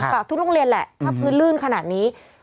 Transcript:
ทุกโรงเรียนแหละถ้าพื้นลื่นขนาดนี้